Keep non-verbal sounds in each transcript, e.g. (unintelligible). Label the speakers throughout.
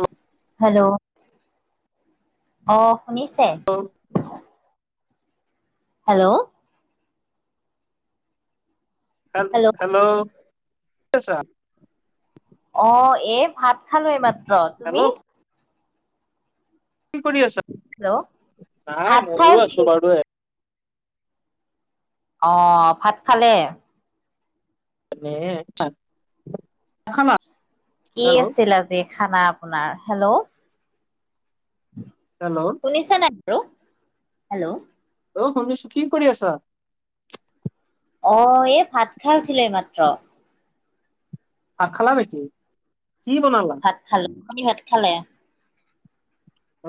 Speaker 1: অ (inaudible)
Speaker 2: hello অ শুনিছে?
Speaker 1: Hello
Speaker 2: hello,
Speaker 1: hello hello আছা,
Speaker 2: অ এ ভাত খালো এই মাত্ৰ
Speaker 1: হেল্ল'
Speaker 2: তুমি-
Speaker 1: কি কৰি আছা,
Speaker 2: হেল্ল'
Speaker 1: নাই
Speaker 2: ভাত খাই
Speaker 1: ময়ো
Speaker 2: উঠিলো
Speaker 1: আছো বাৰু
Speaker 2: অ ভাত খালে?
Speaker 1: খামা (unintelligible)
Speaker 2: কি আছিল আজি খানা আপোনাৰ হেল্ল'
Speaker 1: হেল্ল',
Speaker 2: শুনিছনে বাৰু হেল্ল',
Speaker 1: অ শুনিছো কি কৰি আছা?
Speaker 2: অ এই ভাত খাই উঠিল এই মাত্ৰ
Speaker 1: আ খালা নেকি, কি বনালা?
Speaker 2: ভাত খালো, আপোনি ভাত খালে?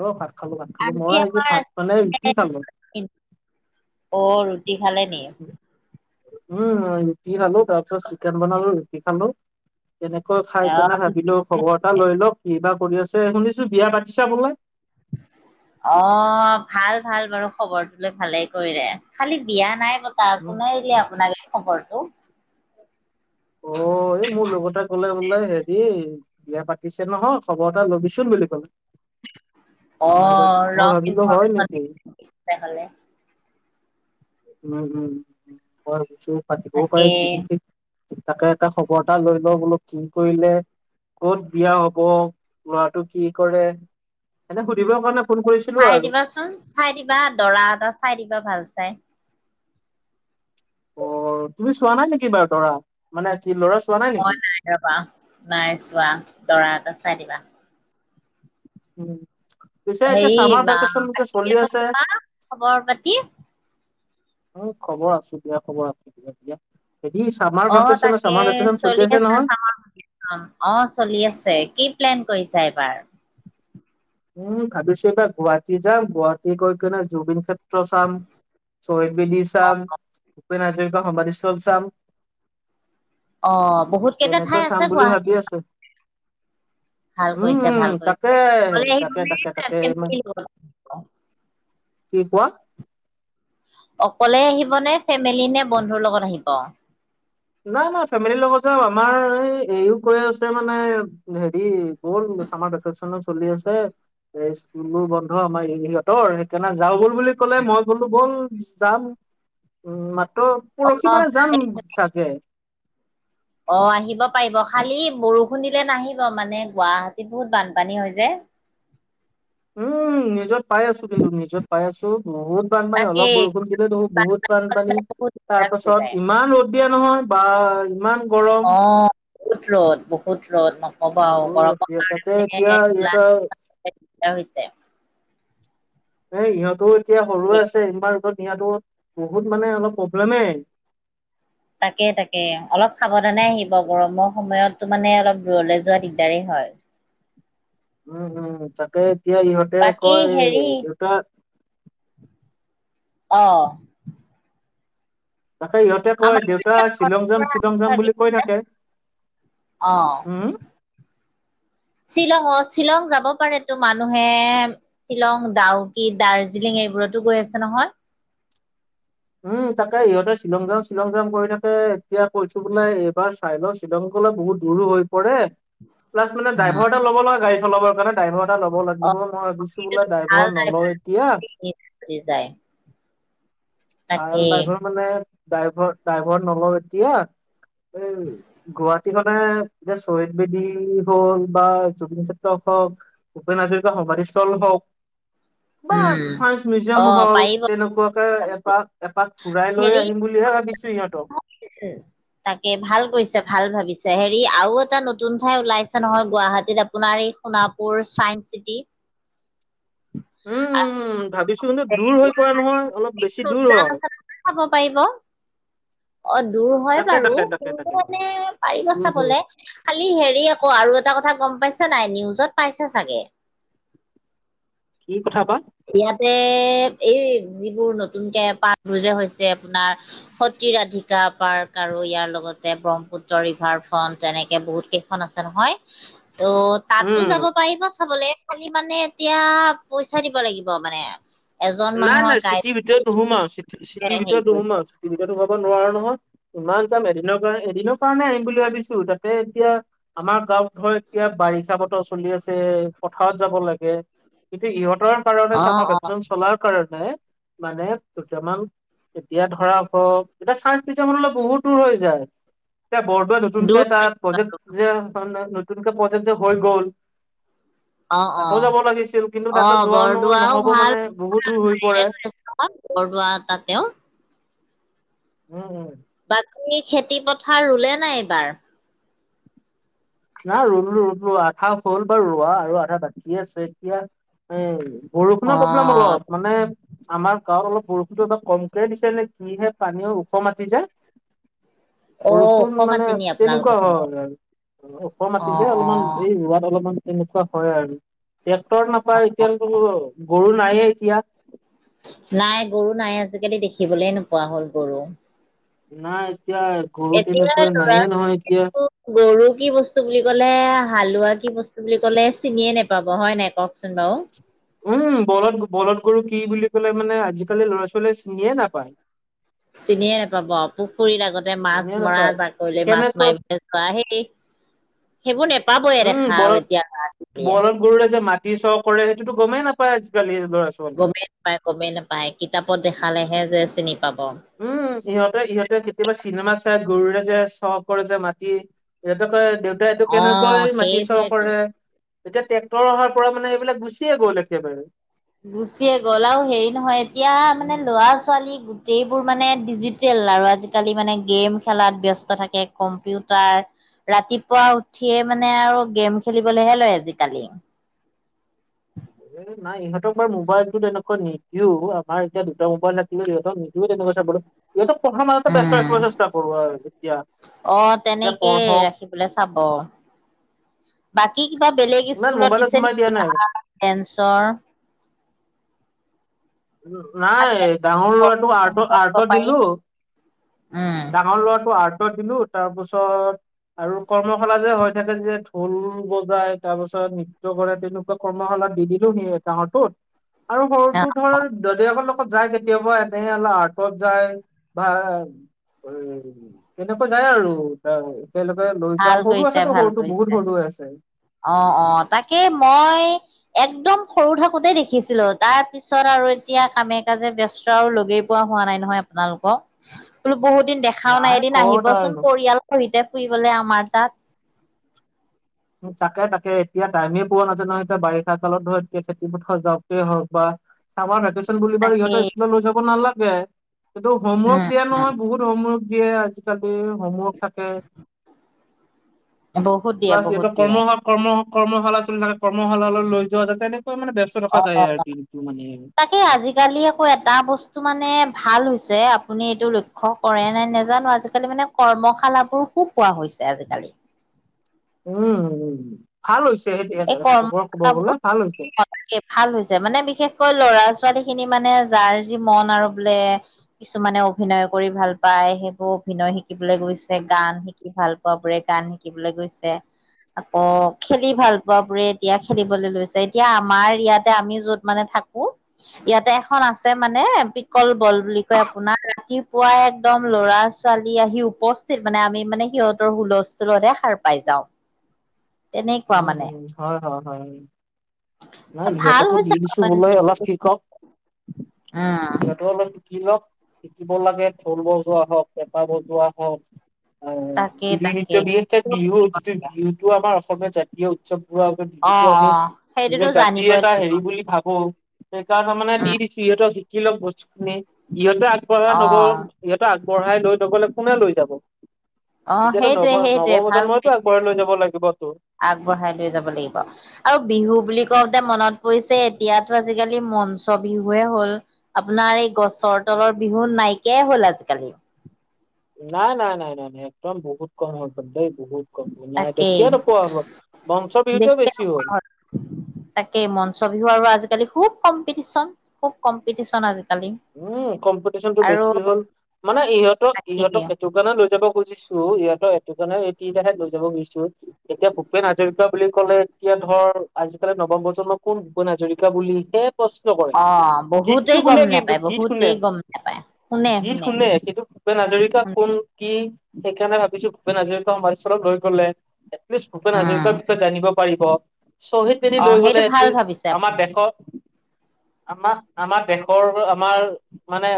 Speaker 1: অ ভাত খালো ভাত। খালো
Speaker 2: আনকি
Speaker 1: মই আজি
Speaker 2: আমাৰ
Speaker 1: ভাত মানে ৰুটি খালো
Speaker 2: (unintelligible) অ ৰুটি খালে নি?
Speaker 1: উম ৰুটি খালো। তাৰ পিছত চিকেন বনালো, ৰুটি খালো। কেনেকৈ
Speaker 2: অ
Speaker 1: খাই কেনে ভাবিলো খবৰ এটা লৈ লও, কি বা কৰি আছে? শুনিছো বিয়া পাতছা বোলে। (inaudible)
Speaker 2: অ, ভাল ভাল বাৰু খবৰটো লৈ ভালেই কৰিলে। খালি বিয়া নাই প তা
Speaker 1: উম
Speaker 2: কোনে দিলে আপোনাক এই খবৰটো?
Speaker 1: অ, এই মোৰ লগৰটোৱে ক'লে বোলে হেৰি বিয়া পাতিছে নহয় খবৰ এটা ল'বিচোন বুলি ক'লে।
Speaker 2: অ,
Speaker 1: মই ভাব মই
Speaker 2: ৰং
Speaker 1: ভাবিলো হয়
Speaker 2: ইনফমেচন
Speaker 1: নেকি
Speaker 2: দিছে তেনেহ'লে।
Speaker 1: উম, উম বৰ কিছু পাতিবও
Speaker 2: তাকে।
Speaker 1: পাৰে যিহেতি তাকে এটা খবৰ এটা লৈ লও বোলো কি কৰিলে। ক'ত বিয়া হ'ব? ল'ৰাটো কি কৰে? এনে সুধিবৰ কাৰণে ফোন কৰিছিলো
Speaker 2: চাই
Speaker 1: আৰু
Speaker 2: দিবাচোন। চাই দিবা দৰা এটা চাই দিবা ভাল চাই।
Speaker 1: অ
Speaker 2: (inaudible)
Speaker 1: তুমি চোৱা নাই নেকি বাৰু দৰা? মানে কি ল'ৰা চোৱা নাই নেকি?
Speaker 2: ৰ'বা নাই চোৱা, দৰা এটা চাই দিবা।
Speaker 1: উ পিছে এতিয়া
Speaker 2: হেৰি
Speaker 1: চামাৰ
Speaker 2: বা
Speaker 1: ভেকেচন যে
Speaker 2: কি
Speaker 1: চলি
Speaker 2: হ'ল
Speaker 1: আছে।
Speaker 2: তোমাৰ খবৰ পাতি?
Speaker 1: উ খবৰ আছো দিয়া, খবৰ আছো দিয়া দিয়া। হেৰি চামাৰ
Speaker 2: অ',
Speaker 1: (unintelligible)
Speaker 2: তাকে
Speaker 1: চামাৰ ভেকেচন চলি আছে নহয়।
Speaker 2: Summer vacation. অ চলি আছে। কি প্লেন কৰিছা এইবাৰ?
Speaker 1: উম, ভাবিছো এইবাৰ গুৱাহাটী যাম গুৱাহাটী কৈ কিনে জুবিন চা ত্ৰ চাম, শ্বহীদ বেদী
Speaker 2: অ',
Speaker 1: চাম, ভূপেন হাজৰিকা সমাধিস্থল চাম।
Speaker 2: অ', বহুত কেইটা
Speaker 1: তেনেকৈ
Speaker 2: ঠাই
Speaker 1: চাম
Speaker 2: আছে
Speaker 1: বুলি ভাবি
Speaker 2: গুৱাহাটীত,
Speaker 1: আছো।
Speaker 2: ভাল
Speaker 1: উম,
Speaker 2: কৰিছে
Speaker 1: উম
Speaker 2: ভাল
Speaker 1: তাকে
Speaker 2: কৰিছে। অকলে আহিব
Speaker 1: তাকে,
Speaker 2: নে
Speaker 1: তাকে, তাকে,
Speaker 2: ফেমিলিৰ লগত আহিব?
Speaker 1: কি কোৱা?
Speaker 2: অকলে আহিব নে? ফেমেলি নে বন্ধুৰ লগত আহিব?
Speaker 1: নাই, না ফেমিলিৰ লগত যাম। আমাৰ এই এইও কৈ আছে মানে হেৰি বল বোলো চামাৰ ভেকেচনো চলি আছে। এ স্কুলো বন্ধ আমাৰ সিহঁতৰ। সেইকাৰণে যাওঁ ব'ল বুলি ক'লে, মই ক'লো বল যাম। উম মাত্ৰ
Speaker 2: অ
Speaker 1: পৰসি মানে যাম চাগে।
Speaker 2: অ, আহিব পাৰিব। খালি বৰষুণ দিলে নাহিব। মানে গুৱাহাটীত বহুত বানপানী হৈ যে।
Speaker 1: উম, নিউজত পাই আছো, কিন্তু নিউজত পাই আছো। বহুত বানপানী, অলপ
Speaker 2: তাকেই
Speaker 1: বৰষুণ দিলে দেখো বহুত
Speaker 2: হলে
Speaker 1: বানপানী
Speaker 2: মানে বহুত
Speaker 1: তাৰ
Speaker 2: দিগদাৰ হৈ
Speaker 1: পাছত
Speaker 2: যায়
Speaker 1: ইমান ৰ'দ দিয়ে নহয় বা ইমান গৰম
Speaker 2: অ বহুত ৰ'দ, বহুত ৰ'দ মা
Speaker 1: বহুত ইহৰ তাতে এতিয়া
Speaker 2: ওলাই
Speaker 1: ইয়াতে
Speaker 2: আহিবলে দিগদাৰ হৈছে
Speaker 1: এ ইহঁতো এতিয়া সৰু হৈ আছে ইমান ৰ'দত নিয়াটো বহুত মানে অলপ প্ৰব্লেমেই।
Speaker 2: তাকে, তাকে অলপ সাৱধানে আহিব। গৰম সময়তটো মানে অলপ দূৰলে যোৱা দিগদাৰেই হয়।
Speaker 1: উম, উম তাকেই এতিয়া ইহঁতে
Speaker 2: বাকী
Speaker 1: কয়
Speaker 2: হেৰি
Speaker 1: দেউতা
Speaker 2: অ।
Speaker 1: তাকেই ইহঁতে কয়
Speaker 2: আমাৰ
Speaker 1: দেউতা শ্বিলং যাম, শ্বিলং যাম বুলি কৈ থাকে।
Speaker 2: অঁ।
Speaker 1: উম
Speaker 2: শ্বিলঙত, শ্বিলং যাব পাৰেটো। মানুহে শ্বিলং, ডাউকি, দাৰ্জিলিং এইবোৰতো গৈ আছে নহয়।
Speaker 1: উম, তাকেই ইহঁতে শ্বিলং যাও, শ্বিলং যাম কৰি থাকে। এতিয়া কৈছো বোলে এইবাৰ চাই লও শ্বিলং গলে বহুত দূৰো হৈ পৰে। প্লাছ মানে
Speaker 2: উম
Speaker 1: ড্ৰাইভৰ এটা ল'ব লাগে গাড়ী চলাবৰ কাৰণে। ড্ৰাইভৰ এটা ল'ব
Speaker 2: অ
Speaker 1: লাগিব। মই ভাবিছো বোলে
Speaker 2: সেইটোতো
Speaker 1: ড্ৰাইভৰ নলও এতিয়া।
Speaker 2: দি যায়।
Speaker 1: ভাল
Speaker 2: তাকেই
Speaker 1: ড্ৰাইভৰ মানে ডাইভ ডাইভৰ নলওঁ এতিয়া। এই গুৱাহাটীখনে যে শ্বহীদ বেদী হ'ল বা জুবিন ক্ষেত্ৰ হওক ভূপেন হাজৰিকা সভাৰীস্থল হওক। বা
Speaker 2: উম
Speaker 1: চাইন্স
Speaker 2: অ
Speaker 1: মিজিয়াম হল
Speaker 2: পাৰিব
Speaker 1: তেনেকুৱাকে এক।
Speaker 2: যাবলে।
Speaker 1: এপাক ফুৰাই লৈ
Speaker 2: হেৰি
Speaker 1: আহিম বুলিহে ভাবিছি সিহঁতক।
Speaker 2: (unintelligible) তাকে ভাল কৰিছে ভাল ভাবিছে হেৰি আও এটা নতুন ঠাই ওলাইছে নহয় গুৱাহাটীত আপোনাৰ এই সোণাপুৰ ছায়েন্ঞ্চ চিটি। আৰু
Speaker 1: উম ভাবিছো নো দূৰ হৈ পৰে নহয় অলপ বেছি দূৰ হয়।
Speaker 2: খাব পাৰিব। অ দূৰ হয়
Speaker 1: তাকে
Speaker 2: বাৰু
Speaker 1: তাকে তাকে
Speaker 2: কিন্তু
Speaker 1: তাকে
Speaker 2: মানে পাৰিব
Speaker 1: দূৰ হয়
Speaker 2: চাবলে। খালি হেৰি আকৌ আৰু এটা কথা গম পাইছো নাই নিউজত পাইছে চাগে।
Speaker 1: কি কথা বা?
Speaker 2: ইয়াতে এই যিবোৰ নতুনকে পাতবোৰ যে হৈছে আপোনাৰ সতীৰাধিকা পাৰ্ক আৰু ইয়াৰ লগতে ব্ৰহ্মপুত্ৰ ৰিভাৰ ফ্ৰন্ট এনেকে বহুত কেই আছে নহয় ত' তাতো
Speaker 1: উম
Speaker 2: যাব পাৰিব চাবলৈ খালি মানে এতিয়া পইচা দিব লাগিব মানে। এজন
Speaker 1: নাই
Speaker 2: মানুহৰ
Speaker 1: নাই
Speaker 2: গাই
Speaker 1: চিটিৰ ভিতৰত নোসোমাও, চিটিৰ
Speaker 2: হেৰি
Speaker 1: ভিতৰত
Speaker 2: কৰি
Speaker 1: নোসোমাও, চিটিৰ ভিতৰত সোমাব নোৱাৰো নহয়। ইমান যাম এদিনৰ কাৰণ এদিনৰ কাৰণে আহিম বুলি ভাবিছো তাতে এতিয়া আমাৰ গাঁওত ধৰ এতিয়া বাৰিষা বতৰ চলি আছে পথাৰত যাব লাগে। কিন্তু ইহঁতৰ কাৰণে
Speaker 2: অ
Speaker 1: আমাৰ
Speaker 2: অ
Speaker 1: দহজন চলাৰ কাৰণে মানে দুটামান এতিয়া ধৰা হওক এতিয়া চাই পিছামানলে বহুত দূৰ হৈ যায়। এয়া বৰদোৱোৱা নতুনকে
Speaker 2: দূৰ
Speaker 1: এটা
Speaker 2: হয়।
Speaker 1: প্ৰজেক্ট যে নতুনকে যেত যে হৈ গ'ল।
Speaker 2: অ অ
Speaker 1: তাতো যাব লাগিছিল কিন্তু
Speaker 2: অ
Speaker 1: তাতে যোৱা নহ'ব মানে বহুত দূৰ হৈ পৰে।
Speaker 2: (unintelligible) বৰ দোৱা তাত তেওঁ
Speaker 1: উ উম।
Speaker 2: বাকী খেতি পথাৰ ৰুলে নাই এইবাৰ?
Speaker 1: নাই ৰুলো ৰুলো আধা হ'ল বাৰু ৰোৱা আৰু আধা বাকী আছে এতিয়া। এ
Speaker 2: অ
Speaker 1: বৰষুণৰ প্ৰব্লেম অলপ মানে আমাৰ গাঁৱত অলপ বৰষুণতটো এ কময়ে দিছে, কিহে পানী ওখ মাটি যে
Speaker 2: অ ওখ
Speaker 1: বৰষুণ মানে
Speaker 2: মাটি নি আপোনালোকৰ
Speaker 1: তেনেকুৱা
Speaker 2: ফালে
Speaker 1: হয় আৰু ওখ
Speaker 2: অ
Speaker 1: মাটি যে
Speaker 2: অ
Speaker 1: অলপমান এই ৰোৱাত অলপমান এনেকুৱা হয় আৰু টেক্টৰ নাপায় এতিয়াল ও গৰু নায়ে এতিয়া।
Speaker 2: নাই গৰু নাই আজিকালি দেখিবলৈ নোপোৱা হ'ল গৰু।
Speaker 1: নাই এতিয়া গৰু
Speaker 2: এতিয়া
Speaker 1: তেনেকুৱা
Speaker 2: ল'ৰা
Speaker 1: নাইয়ে নহয় এতিয়া।
Speaker 2: গৰু কি বস্তু বুলি ক'লে, হালোৱা কি বস্তু বুলি ক'লে চিনিয়ে নোপাব হয় নাই কওকচোন বাও।
Speaker 1: উম বলদ বলদ গৰু কি বুলি ক'লে মানে আজিকালি ল'ৰা ছোৱালীয়ে চিনিয়ে নাপায়।
Speaker 2: চিনিয়ে নাপাব পুখুৰীৰ লাগত
Speaker 1: চিনিয়ে
Speaker 2: মাছ মৰা
Speaker 1: নাপায়
Speaker 2: জাকৈলে মাছ
Speaker 1: কেনেকৈ
Speaker 2: মাৰিবলৈ যোৱা সেই সেইবোৰ নেপাবয়ে
Speaker 1: উম
Speaker 2: দেখা
Speaker 1: বলদ
Speaker 2: এতিয়া ল'ৰা ছোৱালীয়ে
Speaker 1: বলদ গৰুৰে যে মাটি চ কৰে সেইটোতো গমেই নাপায় আজিকালি ল'ৰা ছ-
Speaker 2: গমেই নাপায় গমেই নাপায় কিতাপত দেখালেহে যে চিনি পাব।
Speaker 1: উম ইহঁতে ইহঁতে কেতিয়াবা চিনেমা চাই গৰুৰে যে চহ কৰে যে মাটি সিহঁত কয় দেউতাই এইটো
Speaker 2: অ
Speaker 1: কেনেকৈ মাটি চহ
Speaker 2: সেইবোৰেতো
Speaker 1: কৰে। এতিয়া ট্ৰেক্টৰ অহাৰ পৰা মানে এইবিলাক গুচিয়ে গল একেবাৰে।
Speaker 2: গুচিয়ে গ'ল আৰু হেৰি নহয় এতিয়া মানে
Speaker 1: উম
Speaker 2: ল'ৰা ছোৱালী সেইবোৰ মানে ডিজিটেল আৰু আজিকালি মানে গেম খেলাত ব্যস্ত থাকে কম্পিউটাৰ ৰাতিপুৱা উঠিয়ে মানে আৰু গেম খেলিবলৈহে লয় আজিকালি।
Speaker 1: (inaudible) নাই ইহঁতক বা মোবাইলতটো তেনেকুৱা নিদিও আমাৰ এতিয়া দুটা মোবাইল থাকিলে ইহতক নিদিও তেনেকৈ চাবলে। ইহঁতক পঢ়াৰ মাজতে ব্যস্ত ৰাখিব চেষ্টা কৰো আৰু এতিয়া যে পঢ়ক।
Speaker 2: থাকিবলে চাব, বাকী কিবা বেলেগ
Speaker 1: ইমান
Speaker 2: স্কুলত
Speaker 1: মোবাইলত
Speaker 2: দিছে
Speaker 1: সোমাই দিয়া
Speaker 2: নেকি
Speaker 1: নাই।
Speaker 2: আ? কেন্ঞ্চৰ।
Speaker 1: নাই
Speaker 2: আজিকালি
Speaker 1: ডাঙৰ লৰাটো আৰ্ট
Speaker 2: দিব
Speaker 1: আৰ্টত
Speaker 2: পাৰি
Speaker 1: দিলো।
Speaker 2: উম
Speaker 1: ডাঙৰ লৰাটো আৰ্টচত দিলো তাৰপাছত আৰু কৰ্মশালা যে হৈ থাকে যে ঢোল বজাই তাৰপাছত নৃত্য কৰে তেনো ত কৰ্মশালা দি দিলো সি এ ডাঙৰটোত আৰু
Speaker 2: অ
Speaker 1: সৰুটো ধৰ জলীয়াবা কু লগত যায় কেতিয়াবা এনে অলপ আৰ্টত যায় বা উ তেনেকুৱা যায় আৰু তাৰ এ তেওঁলোকে লৈ
Speaker 2: ভাল
Speaker 1: যাওঁ সৰু
Speaker 2: কৰিছে
Speaker 1: আছেতো
Speaker 2: ভাল
Speaker 1: সৰুটো
Speaker 2: কৰিছে
Speaker 1: বহুত সৰু আছে।
Speaker 2: অ অ তাকে মই একদম সৰু থাকোতে দেখিছিলো তাৰ পিছ পিছত আৰু এতিয়া কামে - কাজে ব্যস্ত আৰু লগেই পোৱা হোৱা নাই নহয় আপোনালোকক? বোলো বহুত দিন দেখাও নাই এদিন
Speaker 1: ক'ত
Speaker 2: আহিবচোন
Speaker 1: আৰু
Speaker 2: পৰিয়াল খহিতে ফুৰিবলৈ আমাৰ তাত।
Speaker 1: তাকে তাকে এতিয়া টাইমেই পোৱা নায়ায নহয় এতিয়া বাৰিষা কালত ধৰ এতিয়া খেতিপথাৰ যাওঁতে হওক বা চামাৰ ভেকেচন বুলি
Speaker 2: তাকে
Speaker 1: ইহঁতৰ স্কুলত লৈ যাব নালাগে কিন্তু হোমৱৰ্ক দিয়া
Speaker 2: উম
Speaker 1: নহয় বহুত। হোমৱৰ্ক দিয়ে আজিকালি হোমৱৰ্ক থাকে।
Speaker 2: বহুত দিয়া বহুত। দিয়ে
Speaker 1: কৰ্মশালা কৰ্ম কৰ্মশালা চলি থাকে কৰ্মশালালৈ লৈ যোৱা যাতে তেনেকুৱা মানে ব্যস ব্যস্ত থকা যায় আৰু দিনটো মানে।
Speaker 2: তাকেই আজিকালি আকৌ এটা বস্তু মানে ভাল হৈছে, আপুনি এইটো লক্ষ্য কৰে নাই নেজানো আজিকালি মানে কৰ্মশালাবোৰ খুব কোৱা হৈছে আজিকালি।
Speaker 1: উম ভাল হৈছে এতিয়া কবৰ কবৰ গলে ভাল হৈছে।
Speaker 2: সে ভাল হৈছে মানে বিশেষকৈ ল'ৰা - ছোৱালীখিনি মানে যাৰ যি মন আৰু বোলে কিছুমানে অভিনয় কৰি ভাল পায় সেইবোৰ অভিনয় শিকিবলৈ গৈছে গান শি কি ভাল পোৱা বোৰে গান শিকিবলৈ গৈছে আকৌ খেল লি ভাল পোৱা বোৰে এতিয়া খেলিবলৈ লৈছে এতিয়া আমাৰ ইয়াতে আমি যত মানে থাকো ইয়াতে এখন আছে মানে পিকল বল বুলি কয়, আপোনাৰ ৰাতিপুৱাই একদম লৰাচ ছোৱালী আহি উপস্থিত মানে আমি মানে সিহঁতৰ হুলস্থুলতহে সাৰ পাই যাওঁ। তেনে
Speaker 1: উম উম হয় হয় হয়। নাই
Speaker 2: ভাল
Speaker 1: সিহঁতকো দি
Speaker 2: হৈছে
Speaker 1: দিছো বোলে অলপ কি কওঁ,
Speaker 2: উম
Speaker 1: সিহঁতক অলপ শিকি লওক, শিকিব লাগে ঢোল বজোৱা হওক, পেঁপা বজোৱা হওক অ,
Speaker 2: তাকে
Speaker 1: বিহু
Speaker 2: তাকে
Speaker 1: নৃত্য বিশেষকে
Speaker 2: চব
Speaker 1: বিহু
Speaker 2: থাকিব
Speaker 1: যিটো
Speaker 2: লাগে।
Speaker 1: বিহুটো আমাৰ অসমীয়া জাতীয় উৎসৱবোৰৰ আ
Speaker 2: অ
Speaker 1: বিহুটো
Speaker 2: অ
Speaker 1: আমি
Speaker 2: সেইটোতো
Speaker 1: নিজৰ জাতিৰ
Speaker 2: জানিবই
Speaker 1: এটা
Speaker 2: লাগিব
Speaker 1: হেৰি বুলি ভাবো সেইকাৰণে মানে
Speaker 2: উম
Speaker 1: দি দিছো ইহঁতৰ শিকি লওক বস্তুখিনি, ইহঁতে আগবঢ়াই
Speaker 2: অ
Speaker 1: লব সিহঁতে আগবঢ়াই লৈ নগলে কোনে লৈ যাব?
Speaker 2: অ
Speaker 1: এতিয়াতো
Speaker 2: সেইটোৱে
Speaker 1: নৱ -
Speaker 2: সেইটোৱে ভালকৈ
Speaker 1: নৱপ্ৰজন্মইতো আগবঢ়াই লৈ যাব লাগিবতো।
Speaker 2: আগবঢ়াই লৈ যাব লাগিব আৰু বিহু বুলি কওঁতে মনত পৰিছে এতিয়াতো আজি আজিকালি মঞ্চ বিহুৱে হ'ল, আপোনাৰ এই গছৰ তলৰ বিহু নাই কীয়া হ'ল আজিকালি।
Speaker 1: নাই নাই নাই নাই নাই একদম বহুত কম হ ব দেই বহুত। ক নাই
Speaker 2: তাকেই
Speaker 1: দেখিব নোপোৱা হলো, মঞ্চ বিহুটোৱে বেছি হ'ল।
Speaker 2: তাকে মঞ্চ বিহু আৰু আজিকালি খুব কম্পিটিশন। খুব কম্পিটিশন আজিকালি।
Speaker 1: উম কম্পিটিশ্যনটো
Speaker 2: আৰু
Speaker 1: বেছি হ'ল মানে ইহঁতক-
Speaker 2: তাকেই
Speaker 1: ইহঁতক সেইটো কাৰণে লৈ যাব খুজিছো, ইহত এইটো কাৰণে এই তিনটাহে লৈ যাব খুজিছো। এতিয়া ভূপেন হাজৰিকা বুলি ক'লে এতিয়া ধৰ আজিকালি নৱম প্ৰজন্মৰ কোন ভূপেন হাজৰিকা বুলিহে প্ৰশ্ন কৰে,
Speaker 2: অ
Speaker 1: গীতটো
Speaker 2: বহুতেই গম
Speaker 1: শুনে কিন্তু
Speaker 2: নেপায়
Speaker 1: গীত শুনে,
Speaker 2: বহুতেই গম নেপায় শুনে
Speaker 1: গীত শুনে সেইটো ভূপেন হাজৰিকা
Speaker 2: উম
Speaker 1: কোন কি সেইকাৰণে ভাবিছো ভূপেন হাজৰিকা সমাধিস্থল লৈ গলে প্লিজ ভূপেন হাজৰিকাৰ বিষয়ে জানিব পাৰিব, শ্বহীদ ফ্ৰীৰিত
Speaker 2: অ
Speaker 1: লৈ গ'লে
Speaker 2: সেইটো ভাল
Speaker 1: এটলিছ
Speaker 2: ভাবিছে
Speaker 1: আমাৰ
Speaker 2: আপুনি
Speaker 1: দেশত আমা, আমাৰ দেশৰ', আমাৰ মানে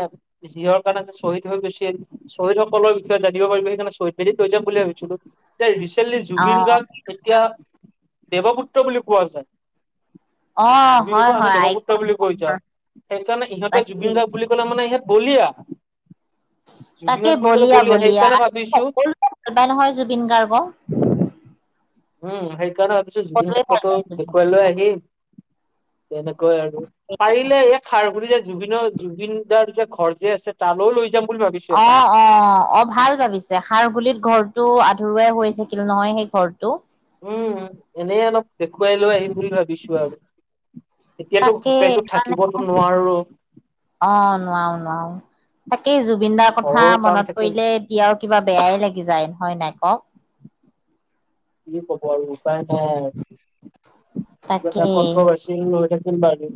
Speaker 1: যিহৰ কাৰণে যে শ্বহীদ হৈ গৈছিল', শ্বহীদসকলৰ বিষয়ে জানিব পাৰিব সেইকাৰণে শ্বহীদ বেদীৰ প্ৰয়োজন বুলি ভাবিছিলোঁ, এতিয়া ৰেচে', টোটেলী
Speaker 2: অ
Speaker 1: জুবিন গাৰ্গ এতিয়া দেৱপুত্ৰ বুলি কোৱা যায়',
Speaker 2: অ
Speaker 1: জুবিন
Speaker 2: হয়
Speaker 1: গাৰ্গক আমি
Speaker 2: হয়
Speaker 1: দেৱপুত্ৰ
Speaker 2: আইকন
Speaker 1: বুলি কৈ যাও সেইকাৰণে ইহঁত',
Speaker 2: তাকে
Speaker 1: জুবিন বুলি ক'লে মানে ইহঁত বলিয়া', জুবিন
Speaker 2: তাকে
Speaker 1: গাৰ্গ বুলি ক'লে
Speaker 2: বলিয়া বলিয়া
Speaker 1: সেইকাৰণে
Speaker 2: আৰু
Speaker 1: ভাবিছো
Speaker 2: সকলোৱে ভাল পায় নহয় জুবিন গাৰ্গক',
Speaker 1: উম', সেইকাৰণে ভাবিছোঁ জুবিন
Speaker 2: সকলোৱে ভাল
Speaker 1: ক্ষেত্ৰতো
Speaker 2: পায় জুবিন।
Speaker 1: দেখুৱাই লৈ আহিম', তেনেকৈ আৰু পাৰিলে এই খাৰঘূলিত', জুবিনৰ, জুবিন দাৰ যে ঘৰ যে আছে তালৈ লৈ যাম বুলি ভাবিছোঁ',
Speaker 2: অ', অ', অ', ভাল ভাবিছা খাৰঘূলিত ঘৰটো আধৰুৱাই হৈ থাকিল নহয়, সেই ঘৰটো',
Speaker 1: উম', হ'ম', এনে অলপ', দেখুৱাই লৈ আহিম বুলি ভাবিছোঁ আৰু এতিয়াতো
Speaker 2: তাকে
Speaker 1: হোটেলটোত
Speaker 2: মানে
Speaker 1: থাকিবতো নোৱাৰো',
Speaker 2: অ', নোৱাৰো- নোৱাৰো তাকেই জুবিন দাৰ কথা
Speaker 1: ঘৰৰো কাম
Speaker 2: মনত
Speaker 1: থাকিল।
Speaker 2: পৰিলে', এতিয়াও কিবা বেয়াই লাগি যায় হয় নাই কওক',
Speaker 1: কি ক'ব আৰু উপায় নাই আৰু এইটো এটা
Speaker 2: তাকেই
Speaker 1: কন্ত্ৰভাৰ্চি', জুবিনৰ লগতে কোনবা আৰু',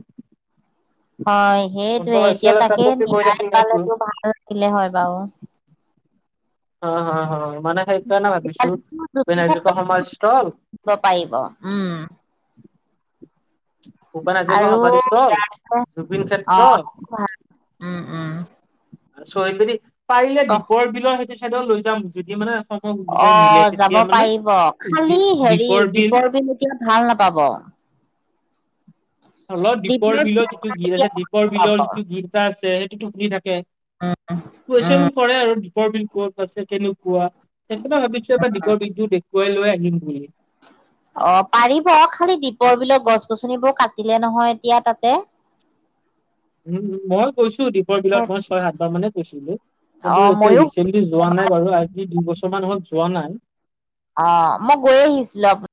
Speaker 2: হয় সেইটোৱে, এতিয়া
Speaker 1: এটা
Speaker 2: তাকে
Speaker 1: টপিক হৈ
Speaker 2: ন্যায়াই
Speaker 1: থাকিল সেইটো
Speaker 2: পালেতো ভাল আছিলে হয় বাৰু',
Speaker 1: অ', - অহ', - অহ', মানে সেইকাৰণে ভাবিছোঁ
Speaker 2: তেতিয়াহ'লে দুদিন
Speaker 1: ভূপেন
Speaker 2: ক্ষেত্ৰত
Speaker 1: হাজৰিকা সমাধিস্থল',
Speaker 2: দিব পাৰিব', উম',
Speaker 1: ভূপেন হাজৰিকা
Speaker 2: আৰু
Speaker 1: সমাধিস্থল,
Speaker 2: ইয়াতে
Speaker 1: জুবিন
Speaker 2: অ
Speaker 1: ক্ষেত্ৰত',
Speaker 2: সেইটো ভাল উম', - উম',
Speaker 1: শ্বহীদবেদী, পাৰিলে দীপৰ বিলৰ সেইটো চাইডত লৈ যাম যদি মানে', সময় সুবিধা মিলে
Speaker 2: অ', যাব
Speaker 1: তেতিয়া মানে
Speaker 2: পাৰিব খালি হেৰি দীপৰ বিল এতিয়া ভাল নাপাব',
Speaker 1: হ'লও দীপৰ বিলৰ
Speaker 2: বিলত
Speaker 1: যিটো
Speaker 2: গৈ
Speaker 1: গীত আছে
Speaker 2: এতিয়া ভাল
Speaker 1: দীপৰ
Speaker 2: নাপাব
Speaker 1: বিলৰ যিটো গীত এটা আছে সেইটোতো শুনি থাকে',
Speaker 2: উম উম
Speaker 1: কুৱেচছন কৰে আৰু দীপৰ বিল ক'ত আছে কেনেকুৱা? সেইকাৰণে ভাবিছোঁ আমাৰ দীপৰ বিলটো দেখুৱাই লৈ আহিম বুলি',
Speaker 2: অ', পাৰিব খালি দীপৰ বিলত গছ গছনিবোৰ কাটিলে নহয় এতিয়া তাতে',
Speaker 1: উম', মই কৈছোঁ দীপৰ বিলত মই ছয় সাতবাৰ মানে গৈছিলোঁ',
Speaker 2: অ
Speaker 1: কিন্তু এতিয়া
Speaker 2: মইয়ো
Speaker 1: ৰিচেণ্টলি
Speaker 2: গৈছিলো
Speaker 1: যোৱা
Speaker 2: এবাৰ।
Speaker 1: নাই বাৰু আজি দুই বছৰ মান হ'ল যোৱা নাই',
Speaker 2: অ', মই গৈ আহিছিলোঁ আপো',